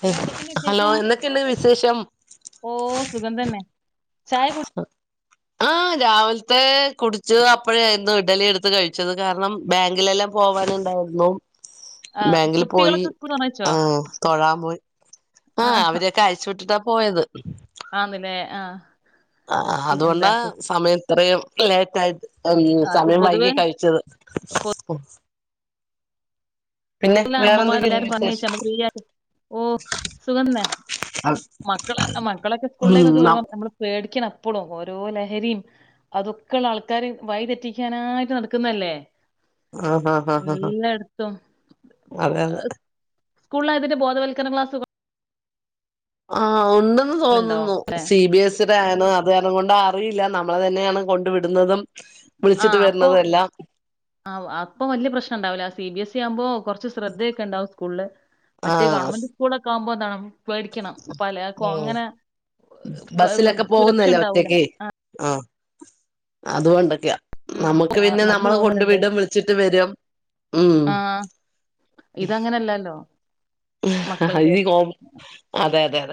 Hello എന്തൊക്കെയുണ്ട് hello വിശേഷം എന്തൊക്കെയുണ്ട് വിശേഷം ഓ സുഖം തന്നെ ചായ കുടി ആ രാവിലത്തെ കുടിച്ചു അപ്പഴായിരുന്നു ഇഡ്ലി എടുത്ത് കഴിച്ചത് കാരണം ബാങ്കിലെല്ലാം പോവാനുണ്ടായിരുന്നു ആ ബാങ്കിൽ പോയി കുട്ടികളൊക്കെ സ്കൂൾ തുറന്നോ ആ തൊഴാൻ പോയി ആ അവരൊക്കെ അയച്ചു വിട്ടിട്ട പോയത് ആന്നല്ലേ ആ ആ പി- അത്കൊണ്ട എന്താ കു- സമയ ഇത്രയും ലേറ്റ് ആയിട്ട് അത് സമയം പൊതുവെ വൈകി കഴിച്ചത് ഉ അമ്മമാർ എല്ലാരും പറഞ്ഞയച്ച് നമ്മള് ഫ്രീയായിട്ട് ഓ സുഖം തന്നെ മക്കള മക്കളൊക്കെ സ്കൂളിലേക്കൊക്കെ ഉം വരുമ്പോ നമ്മള് പേടിക്കണം എപ്പോഴും ഓരോ ലഹരിയും അതൊക്കെയുള്ള ആൾക്കാര് വഴി തെറ്റിക്കാനായിട്ട് നടക്കുന്നല്ലേ ആഹ ഹഹ ആഹ് ഹഹ സ്കൂളില അതിന്റെ ബോധവൽക്കരണം ക്ലാസ്സ്‌ ആഹ് ണ്ടെന്ന് ഉണ്ടോ തോന്നുന്നു അല്ലേ സി ബി എസ് ടെ [unintelligible] അറിയില്ല നമ്മളെ തന്നെയാണ് കൊണ്ടു വിടുന്നതും ആ വിളിച്ചിട്ട് അപ്പ വരുന്നതും എല്ലാം ആ അപ്പ വല്ിയ പ്രശ്നം ഉണ്ടാവില്ല സി ബിഎസ് സ ആവുമ്പോ കുറച്ച് ശ്രദ്ധയൊക്കെ ഉണ്ടാവും സ്കൂളിൽ മറ്റേ ആഹ് ഗവൺമെന്റ് സ്കൂള ഒക്കെ ആവുമ്പോ ത മേടിക്കണം പലക്കും ഉം അങ്ങനെ പ ബസ്സിലൊക്കെ സുരക്ഷ പോകുന്നല്ലേ ഉണ്ടാവൂല ഒറ്റയ്ക്ക് ആ ആ അത്കൊണ്ടൊക്കെയാ ഉം നമുക്ക് ആ, പിന്നെ നടന്നു നമ്മൾ കൊണ്ട് പോകുന്നവരുണ്ട് വിടും വിളിച്ചിട്ട് വരും ഉം ആ ഇതങ്ങനല്ലല്ലോ മക്കളത് ഇ കോം അതെ അതെ അതെ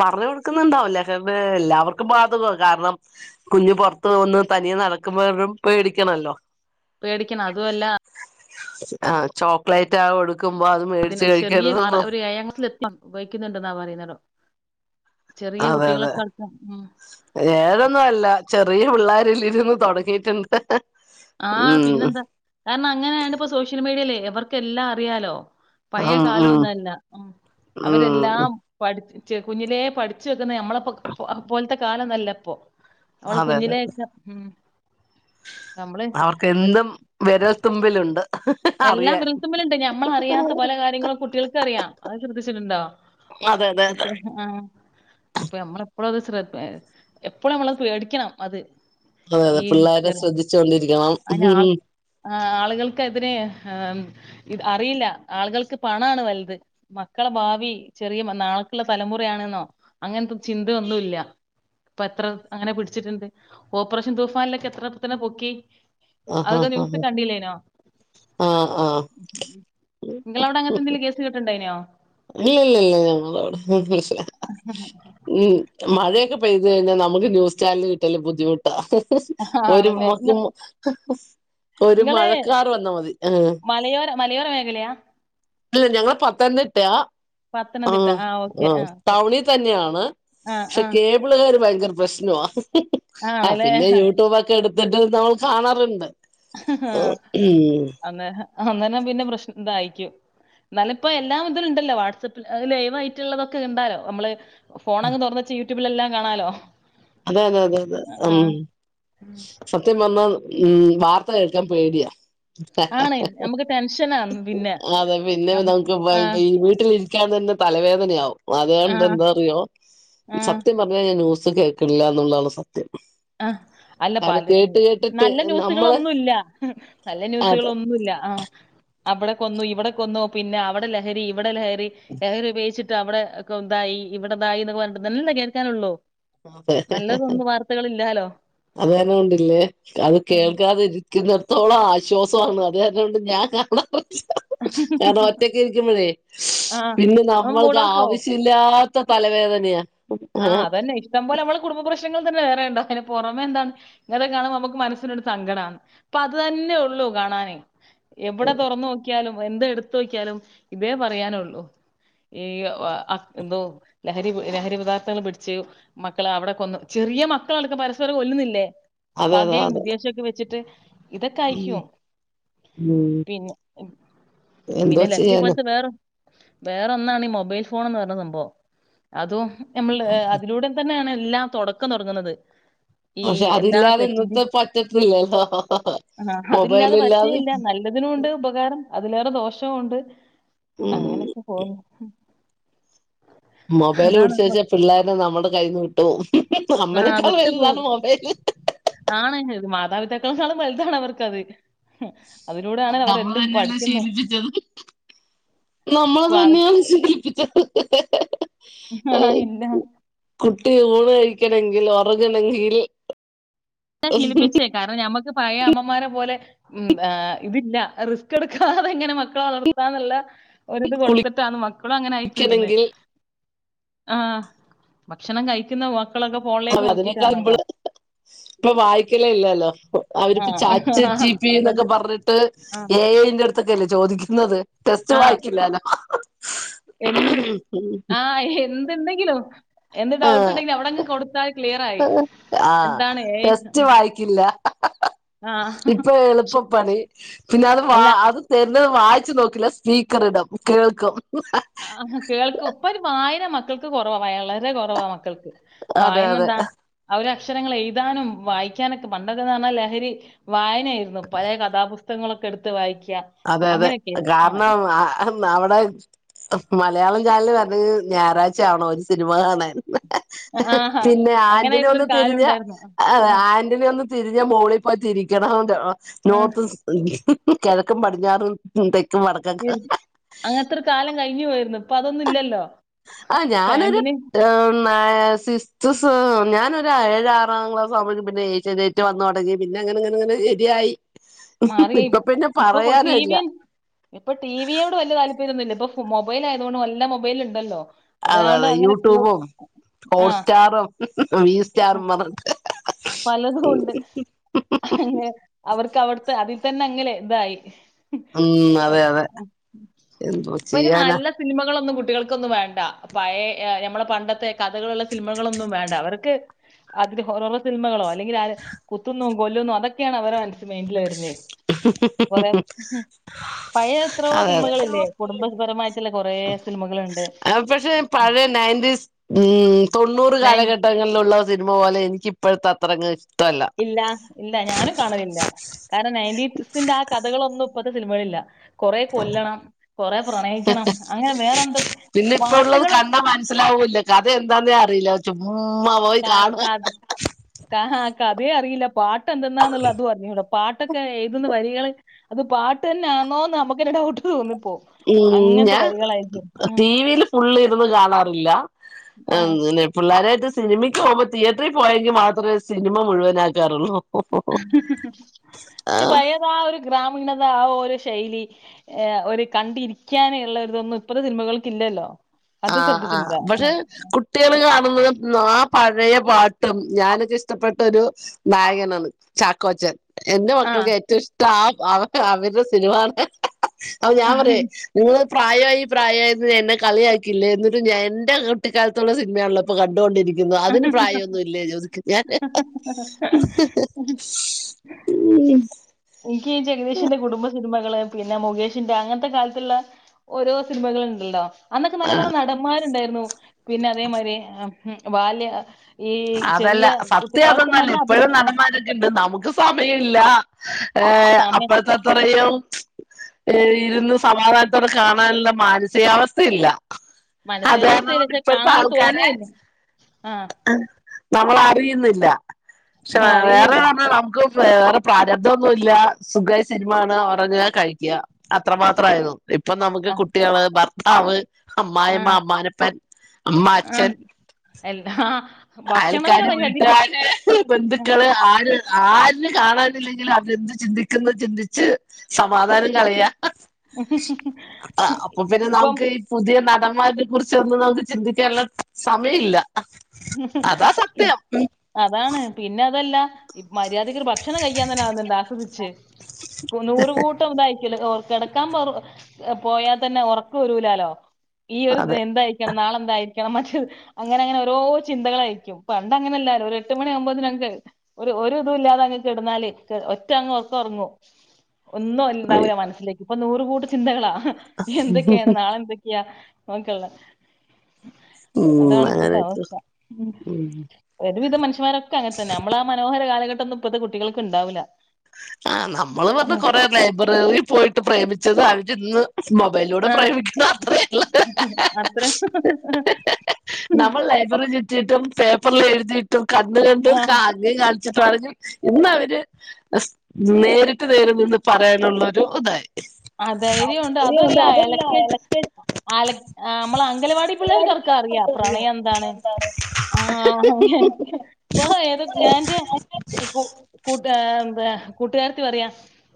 പറഞ്ഞോടു ുന്നുണ്ടാവില്ല കാരണ്ട് എല്ലാവർക്കും ബാധകം കാരണം കുഞ്ഞ് പുൊറത്ത്ു വന്നന്ന് തനിയെ നടക്കുമ്പോരും പേടിക്കണല്ലോ പേടിക്കണം അതുഅല്ല ആ ചോക്ലേറ്റ് ആ കൊടുക്കുമ്പോ അത് മേടിച്ച് ഇതിന് ചെറിയ ആർ കഴിക്കരുതെന്നോ ഒരേ ഴാംക്ലാസ്സ്‌ എത്തയ ഉപയോഗിക്കുന്നുണ്ടെന്നാ പറയുന്നടോ അതെ അതെ ഉം. ഏതൊന്നും അല്ല- ചെറിയ പിള്ളോരല്രുന്ന് തുടങ്ങിയിട്ടുണ്ട് ആഹ് ഉം പിന്നെന്താ കാരണം അങ്ങനെയ ആാണ്പ്പൊ സോഷ്യൽ മീഡിയല്ലേ എവർക്കെല്ലാം അറിയാലോ പഴയ ഉം കാലോ ഉം ന്നല്ല ഉ അവരെല്ലാം ഉം പടിച്ച് കുഞ്ഞിലേ പഠിച്ചുവെ നമ്മള പോ പോലത്തെ കാലോന്നല്ല പ്പോ അവള് അതെ അതെ കുഞ്ഞിലേക്കെ ഉ അവർക്ക് എന്തും വിരൽത്തുമ്പിലുണ്ട് എല്ലാം അറിയാൻ വിരുത്തുമ്മലുണ്ട് ഞമ്മൾ അറിയാത്ത പല കാര്യങ്ങളും കുട്ടികൾക്ക് അറിയാം അത് ശ്രദ്ധിച്ചിട്ടുണ്ടോ അതെ അതെ അതെ കുട്ട്യാ ആ ആ അപ്പമ്മ എപ്പോഴും അത് ശ്രദ്ധ എപ്പോളുമ്മളത് പേടിക്കണം അത് ഈ അതെ പിള്ളോര ചെറിയ ശ്രദ്ധിച്ചു കൊണ്ടിരിക്കണം അയിന് ആൾ ആഹ് ആളുകൾക്കതിന് ഇത് അറിയില്ല ആളുകൾക്ക് പണാണ് വൽത് മക്കളെ ഭാവി ചെറിയ നാളെക്കുള്ള തലമുറ ആണെന്നോ അങ്ങനത്തെ ചിന്ത ഒന്നും ഇല്ല ഇപ്പൊ എത്ര അങ്ങനെ പിടിച്ചിട്ടുണ്ട് ഓപ്പറേഷൻ തൂഫാനിലൊക്കെ എത്ര എണ്ണത്തിനെ പൊക്കി ആഹ് അതൊക്കെ ന്യൂസ് ആഹ് കണ്ടില്ലേനോ ആഹ് ആഹ് നിങ്ങളാവിടെ അങ്ങനത്തെ എന്തെങ്കിലും കേസ് കേട്ടുണ്ടേയിനോ ഇല്ലി ഇല്ലി ഇല്ല ഞങ്ങളവിടെ പ്രശ്നില്ല ഉം മഴയോക്കെ പെയ്ത് കഴിഞ്ഞാൽ നമ്മുക്ക് ന്യൂസ് ചാനൽ കിട്ടിൽ ബുദ്ധിമുട്ട ഒരു ആണല്ലേ? ഇങ്ങള് ഒരു ഇങ്ങള് മഴക്കാർ വന്നാൽ മതി ആ മലയോര മലയോര മേഖലയാ ഇല്ലില്ല ഞങ്ങള് പത്തംതിട്ടാ ആ പത്തനംതിട്ട. ഓക്കെ. ആ ഓക്കെ. ടവുണിൽ തന്നെയാണ് ആ പക്ഷെ ആ. കേബിളുകാര് ഭയങ്കര പ്രശ്നവാ ആ ആണല്ലേ? പിന്നെ യൂട്യൂബോക്കെ എടുക്കും ത്തിട്ട് നമ്മൾ കാണാറുണ്ട് മ് അന്നേനം പിന്നെ പ്രശ്നം ഇതായിക്കും എന്നാല് ഇപ്പെ എല്ലാം ഇതില് ഇണ്ടല്ലോ വാട്സആപ്പിൽ ലൈവ് ആയിട്ട് ഉള്ളതൊക്കെ ഇണ്ടാലോ നമ്മൾ ഫോണങ്ങ് തൊറന്നുവച്ച് യു റ്റുബിലെല്ലാം കാണാലോ. അതെ അതെ അതെ അതെ ആ. ഉം സത്യം പറഞ്ഞാ ഉം വാർത്ത കേക്കാൻ പേടിയാ. ആണ്. നമുക്ക് ടെൻഷനാണ് പിന്നെ. അതെ പിന്നെ അം നമുക്ക് ആ [unintelligible] ഈ വീട്ടിലിരി ക്കാൻ തന്നെ തലവേദനയാവും. ആ അതുകൊണ്ട് എന്താറിയോ ആ സത്യം പറഞ്ഞാ ഞാൻ ന്യൂസ്‌ സു ഗെ ട്ടില്ലന്നുള്ളാണ് സ ആഹ് അല്ല പല കേട്ടിട്ട് നല്ല നമ്മള് ന്യൂസുകളൊന്നൂല്ല നല്ല അതെ ന്യൂസുകളോന്നൂല്ല ആഹ്. അവിടെ കൊന്നു ഇവിടെ കൊന്നു പിന്നെ അവിടെ ലഹരി ഇവിടെ ലഹ രി ലഹരി ഉപയോഗിച്ചി അവിടെ ഒക്കെ ഉന്തായി ഇവിടെതായി എന്നൊക്കെ പറഞ്ഞിട്ട് ഇതല്ലേ കേൾക്കാനുള്ളൂ. അതെ. നല്ലതൊന്നും വാർത്തകളില്ലാലോ അതെന്നെ കൊണ്ടില്ലേ അത് ഉം കേൾക്കാതിരി രിക്കത്തോളം ആശ്വാസമാണ് അത്‌ കാരണാണ് ഞാൻ കാ കാരണം ഒറ്റക്കിരിക്കുമ്പഴേ ആ പിന്നെ അവൻ നമ്മൾക്ക് മൂഡ് ഓഫോ ആവശ്യമില്ലാ പ്പൊ തലവേദനയാ ആഹ് ഏഹ് അതന്നെ ഇഷ് അതുപോലെ കുടുംബം പ്രശ്നം പ്രങ്ങൾ തന്നെ വേറെയ ഉണ്ടോ അതിന് പുറമെ എന്താണ് ഇങ്ങനെ കാണുമ്പോൾ നമ്മുക്ക് മനസ്സിനൊരു സങ്കടന്ന് അപ്പൊ അത് തന്നെ ഉള്ളു കാണാനേ എവിടെ തുറന്നു നോക്കിയാലും എന്ത എടുത്ത് നോക്കിയാലും ഇതേ പറയാനുള്ളൂ ഈ എന്തോ ലഹരി ലഹരിപദാർ ങ്ങൾ പിടിച്ചു മക്കൾ അവിടെ കൊന്നു ചെറിയ മക്കളൾക്ക് പരസ്പരം കൊല്ലുന്നില്ലേ അതെ പാക അതെ അതെ വിദേശം വെച്ചിട്ട് ഇതൊക്കെ ഉം അയിക്കോ ഉം പിന്നെ എന്തോ പിന്നെ ലഹരി ചെയ്യാനാ പോലത്തെ വേറ വേറെന്നാണ് മൊബൈൽ ഫോൺ എന്ന് പറഞ്ഞ സംഭവ അതും നമ്മള് അതിലൂടെ തന്നെയാണല്ല എല്ലാ തുടക്കം തുടങ്ങുന്നത് ഈ പക്ഷെ എല്ലാ അതില്ലാതെ ഇന്നത്തെ തെറ്റിന്റെയും പറ്റത്തില്ലല്ലോ ആ, മൊബൈൽ അതില്ലാതെ ഇല്ലാതെ പറ്റുകയില്ല. നല്ലതിനുമുണ്ട് ഉപകാരം. അതിലേറെ ദോഷവും ഉണ്ട് ഉം അങ്ങനൊക്കെ പോന്ന് മൊബൈല് പിടിച്ച് വെച്ച പിള്ളോരെ നമ്മുടെ കൈ വിട്ടു പോവും ആ അമ്മനെക്കാളും വിട്ടുപോകും. വലുതാണ് മൊബൈയില് എതാവിതക്കളും വലുതാണ് അവർക്കാത് അ നമ്മൾ തന്നെയല്ല പഠിക്കുന്നു. ശീലിപ്പിച്ചത് നമ്മളെ ക്വാളി തന്നെയാണ് ശീലിപ്പിച്ചത് എഹ്ഹ് ആ കുട്ടിനെ എണെങ്കിൽ ഉറണമെങ്കിൽ ഇ ശീലിപ്പിച്ചേ കാരണം നമ്മുക്ക് പായ അമ്മമാരെ പോലെ ഉ് ഇതില്ല റിസ്ക് എടുക്കാതെ ഇങ്ങനെ മക്കളെ വളർത്താന്നുള്ള ഒരിത് കൊടുത്തിട്ടാന്ന് മക്കളും അങ്ങനെ ആയി തീർന്നേ കുളിക്കണെങ്കിൽ ആഹ ഭക്ഷണം കഴിക്കുന്ന വ മക്കളൊക്കെ ഫോണിലേക്ക് അതിനേക്കാൾ നോക്കിട്ടാണല്ലോ സിമ്പിള് ഇപ്പൊ വായിക്കലേ ഇല്ലല്ലോ അവരിപ്പൊ ചച്ച ചീ പിന്നൊക്കെ അതന്നെ. പറഞ്ഞിട്ട് ആ ഏന്റെ അടുത്തൊക്കെ ചോ ടെസ്റ്റ് ആ വായിക്കില്ലല്ലോ എന്ത് ആഹ് എന്തെന്തെങ്കിലും ആ ആയി. ആ എന്താണ് ഏഐ ടെസ്റ്റ് ഉം വായിക്കില്ല ആ ഇപ്പൊ ശ് എളുപ്പപ്പണി പിന്നെ അത് വ അല്ല അത് തര വായിച്ചു നോക്കില്ല സ്പീക്കർ ഇടം കേൾക്കും ആ കേൾക്കും ഇപ്പൊ ഒരു വായന മ മക്കൾക്ക് കുറവ വളരെ കുറവാ മക്കൾക്ക്. അതെ വായന്ന അതെ എന്താ അവര അക്ഷരങ്ങൾ എഴുതാനും വായിക്കാനൊക്കെ പണ്ടക്കെന്നറഞ്ഞാ ലഹരി വായനയായിരുന്നു. പഴയ കഥാപുസ് പുസ്തങ്ങളൊക്കെ എടുത്ത് വായിക്ക. അതെ അതെ കാരണം അവിടെ മലയാളം ചാനല് വരണത് ഞായറാഴ്ച ആവണം ഒരു സിനിമ കാണാൻ. ആഹാ പിന്നെ ആന്റിന ഒന്ന് അങ്ങനെയായിരുന്നൊരു കാലം തിരിഞ്ഞ ഉണ്ടായിരുന്നു. ആ ആൻ്റിന ഒന്ന് തിരിഞ്ഞ മോളി പോയി തിരി കാണ്ട് [unintelligible] ആ നോർത്ത് സ് ക്കതെ പടിഞ്ഞാറോട്ടും തെക്കും അങ്ങനത്തെ ഒരു കാലം കഴിഞ്ഞു പോയിരുന്നു. ഇപ്പൊ അതൊന്നും ഇല്ലല്ലോ. ആ ഞാനൊരു പാന്റിന് നയ സിക്സ്ത് ഞാനൊ ഒരു ഏഴ് ആറാം ക്ലാസ് ആവുമ്പ പിന്നെ നെറ്റ് വന്നു തുടങ്ങി പിന്നെ അങ്ങനെങ്ങനെങ്ങെ ശരിയായി. മാറിയ ഇപ്പൊ പിന്നെ ഇപ്പൊ പൊ പറയാനില്ല ടിവി ഇപ്പൊ ടിവിയോട് വലിയ താല്പര്യന്നുല്ല. ഇപ്പൊ മൊബൈൽ ആയതുകൊണ്ട് എല്ലാം മൊബൈൽണ്ടല്ലോ. അതെ അതെ യൂട്യൂബും ആ ഹോട്ട്സ്റ്റാറും വീസ്റ്ററും പറഞ്ഞ് പലതൊണ്ട് അവർക്കവിടുത്തെ അതി തന്ന അങ്ങനെ ഇതായി ഉം അതെ അതെ എന്തോ അപ്പൊ ഇന് ചെയ്യാന നല്ല സിനിമകളൊന്നും ക് കുട്ടികൾക്കൊന്നും വേണ്ട പഴേ ഞമ്മളെ പണ്ടത്തെ കഥകളുള്ള സിനിമകളൊന്നും വേണ്ട അവർക്ക് അതില് ഹോററ് സിനമകള അല്ലെങ്കിലാര് കുതുന്നോ കൊല്ലുന്നു അതൊക്കെയാണ് അവര മനസ വരുനേ കൊറെ പഴയ എത്രോ അതെ സിനിമകളല്ലേ കുടുംബപരമായിട്ടുള്ള കൊറേ സിനിമകൾണ്ട്. മ്മ് തൊണ്ണൂറ് കാലഘട്ടങ്ങളിലുള്ള സിനിമ പോലെ എനിക്ക് ഇപ്പോഴത്ത അത്രയങ്ങ് ഇല്ല ഇല്ല ഞാനും കാണലില്ല. കാരണം നയന്റ്റസിന്റെ ആ കഥകള് ഒന്നും ഇപ്പത്തെ സിനിമകളിലില്ല കൊറെ കൊല്ലണം കൊറെ പ്രണയിക്കണം അങ്ങനെ വേറെന്തൊ പിന്നെ ഇപ്പ ഉള്ളത് പാട്ടുകളും കണ്ടാ മനസ്സിലാവൂല്ല കഥ എന്താന്നേ അറിയില്ല ചുമ്മാ പോയി കാണുക [unintelligible] കഥയും അറിയില്ല പാട്ട് എന്ത്ന്നാന്നുള്ളത് അതും അറിഞ്ഞൂടാ പാട്ടൊക്കെ എഴുതുന്ന വരികള് അത് പാട്ട് തന്നാണോന്ന് നമുക്കൊരു ഡൗട്ട് തോന്നും മ്മ് ഞാൻ ആ, ടിവിൽ ഫുളള് ഇരുന്ന് കാണാറില്ല ആ. പിന്നെ പിള്ളാരായിട്ട് സിനിമയ്ക്ക് പോകുമ്പോ തിയേറ്ററിൽ പോയെങ്കിൽ മാത്രമേ സിനിമ മുഴുവന് ആക്കാറുള്ളൂ പക്ഷെ പഴെത് ആ ഒരു ഗ്രാമീണ ആ ഒരു ശൈലി ഒരു കണ്ടിരിക്കാന് ഉള്ള ഒരുതൊന്നും ഇപ്പത്തെ സിനിമകൾക്കില്ലല്ലോ ആഹ് ആഹ് പക്ഷെ കുട്ടികൾ കാണുമ്പോഴും പഴയ പാട്ടും ഞാനൊക്കെ ഇഷ്ടപ്പെട്ട ഒരു നായകനാണ് ചാക്കോച്ചൻ എന്റെ ആ മക്കൾക്ക് ഏറ്റവും ഇഷ്ടം അവ അവരുടെ സിനിമയാണ് അപ്പോ ഞാൻ പറയാ നിങ്ങള് പ്രായമായി പ്രായമായീന്ന് എന്നെ കളിയാക്കി എന്നിട്ട് ഞാൻ എന്റെ കുട്ടിക്കാലത്തുള്ള സിനിമയാണല്ലോ ഇപ്പൊ കണ്ടുകൊണ്ടിരിക്കുന്നത് ആ. അതിന് പ്രായമൊന്നും ഇല്ലേ ചോദിക്കും ഞാൻ ഈ എനിക്ക് ജഗദീഷന്റെ കുടുംബ സിനിമകള് പിന്നെ മുകേഷിന്റെ അങ്ങനത്തെ കാലത്തുള്ള ഓരോ സിനിമകള് ഉണ്ടല്ലോ അന്നൊക്കെ നല്ല നല്ല ആഹ് നടന്മാരുണ്ടായിരുന്നു പിന്നെ അതേമാതിരി വാല്യ അതല്ല സത്യം അതൊന്നുമല്ല ഇപ്പോഴും അഭിന- ആ, നടന്മാരൊക്കെ ഉണ്ട് നമുക്ക് സമയം ഇല്ല. ഏഹ് സമയം അപ്പഴത്തെത്രയും ഇരുന്ന് സമാധാന ടെ കാണാനുള്ള മാനസികാവസ്ഥയില്ല. അത് കാരണം മാനസികവസ്ഥയിൽ കൊണ്ട് ഇപ്പോ ഇപ്പോഴത്തെ കാണാൻ ആൾക്കാരെ തോന്നുകയെ ഇല്ല ആഹ് നമ്മൾ അറിയുന്നില്ല പക്ഷെ ആ, വേറെ അറിയുന്നില്ല [unintelligible] വേറെ പ്രാരബ്ധൊന്നുല്ല സുഖയി സിനിമ കാണാ ഒറങ്ങാ കഴിക്കാ. അത്ര മാത്രമായിരുന്നു ഇപ്പൊ നമുക്ക് ആ കുട്ടികളായി ഭർ ത്താവ് ആ അമ്മായിമ്മ അമ്മാനപ്പൻ അമ്മ ആ അച്ഛൻ എല്ലാ ഭക്ഷണമൊക്കെ അയൽക്കാരും മര്യാദക്ക് വീട്ട്കാര് ഉം. ബന്ധുക്കള് ആര് ആര് കാണാനില്ലെങ്കിലും [unintelligible] ചിന്തിക്കുന്നു ചിന്തിച്ച് സമാധാനം കളയാ അഹ് അപ്പ അപ്പൊക്കിന് ഇപ്പം നമ്ക്ക് ഈ പുതിയ ന സമ്മാൻത്തെ കുറിച്ചൊന്നും നമുക്ക് ചിന്തിക്കാനുള്ള സമയല്ല ഇപ് അതാണ് പിന്നെ അതല്ല മര്യാദക്ക് ഒരു ഭക്ഷണം കഴിക്കാൻ തന്നെ ആകുന്നുണ്ടോ ആസ്വദിച്ച് കു നൂറ് കൂട്ടം ഇതായിരിക്കും [unintelligible] കെടക്കാൻ പറ പോയാ തന്നെ ഒർക്ക് വരൂലാലോ ഈ ഒരു അതെ എന്തായിരിക്കണം നാളെ എന്തായിരിക്കണം മറ്റ് അങ്ങനെ അങ്ങനെ ചിന്തകളായിരിക്കും പണ്ട് അങ്ങനെല്ലാലും ഒരു എട്ട് മണി ആകുമ്പോ [unintelligible] ഒരു ഒരുതും ഇല്ലാതെ അങ്ങ് കെട്ന്നാല് ക്ക് ഒറ്റ അങ്ങ് ഒർക്കം ഒർങ്ങും ഒന്നും ഉണ്ടാവൂല്ല മനസ്സിലേക്ക് ഇപ്പൊ നൂറ് കൂട്ടം ചിന്തകളാ ഹ് എന്തൊക്കെയാണ് നാളെ എന്തൊക്ക്യാ ഓക്കേല്ലേ ഉം അങ്ങനെജ് ഒരുവിധ മനുഷ്യന്മാരൊക്കെ അങ്ങൻത്തന്നെ നമ്മളാ മനോഹര കാലഘട്ട് ട്ടന്നും ഇപ്പത്തെ കുട്ടികൾക്ക് ഇണ്ടാവൂലാ ആഹ് നമ്മള് പർഞ്ഞാ കൊറെ ലൈബ്രറി റിയി പോയിട്ട് പ്രേമിച്ചതായി ഇന്ന് മൊബൈലിലൂടെ ആ പ്രയോഗിക്കുന്നത് അത്രേള്ളൂ അത്ര നമ്മൾ ലൈബ്രറി ചുറ്റീട്ടും പേപ്പ് പ്പറിൽ എഴുതീട്ടും കണ്ട് കണ്ട് ആ [unintelligible] പറഞ്ഞു ഇന്നവര് [unintelligible] നേരിട്ട് നേരെ നിന്ന് പറയാനുള്ള ഒരു ഇതായി. ആ ധൈര്യണ്ട് അങ്ങനെയുണ്ട് അതുവല്ല അതല്ല എലക്ക് ഇലക്ഷൻ അലക് ആ മ്മള അംഗലവാടി ഒരുപാട് പിള്ളേർക്കറക്ക പിള്ളേർക്ക് അറിയാ അറിയാം പ്രണയം എന്താണ് ആ ഇപ്പോ ഏത് ഞാന്റെ കൂ കൂട്ട [unintelligible] കൂട്ടുകാരത്തി പറയാ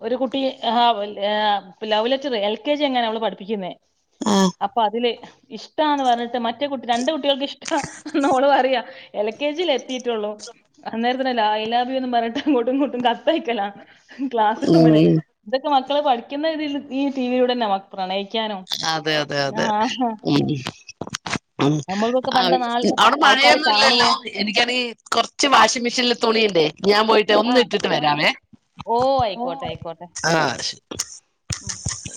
ഒരു കുട്ടി ആ [unintelligible] ആ ഇപ്പ love letter L K G എങ്ങന അവള് പഠിപ്പിക്കുന്നെ. ആഹ് അപ്പ അതില് ഇഷ് ടാന്ന് പറഞ്ഞിട്ട് മറ്റേ കുട് രണ്ട് കുട്ടികൾക്ക് ഇഷ്ടാ നോള് പറയ എൽ കെ ജിൽ എത്തിയിട്ടുള്ളൂ അന്നേരത്തിന് ഐ ലവ് യു എന്ന് പറഞ്ഞിട്ട് അങ്ങോട്ടും ഇങ്ങോട്ടും കത്തയക്കലാണ്. ക്ലാസ് റൂമില് ഉം ഇതൊക്കെ മാ ക്കള് പഠി ക്കുന്ന രീതിൽ ഈ ടി വിയിലൂടെ ന്നെ നമുക്ക് പ്രണയി അതെ അതെ അതെ മ് മ് മ് നമ്മൾക്കൊക്കെ പണ്ട് അവ് നാൾ അവിടെ ആൾക്കാര് കാണുവോ മഴയൊന്നുംല്ലല്ലോ എനിക്കാണെങ്കി കൊറച്ച് വാഷിംഗ് മെഷീനില് തുണിയിണ്ടേ. ഞാൻ പോയിട്ട് ആ ഒന്ന് ഇട്ടിട്ട് വരാവേ. ഓ ആയിക്കോട്ടെ ആയിക്കോട്ടെ ആഹ് ശ ഉം ശരി